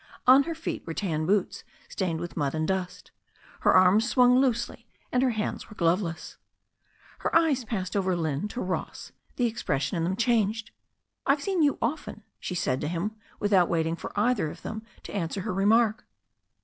On her feet were tan boots stained with mud and dust. Her arms swung loosely and her hands were gloveless. As her eyes passed over Lynne to Ross the expression in them changed. T've seen you often," she said to him, without waiting for either of them to answer her remark.